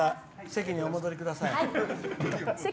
席にお戻りください？